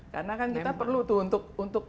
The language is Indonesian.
karena kan kita perlu tuh untuk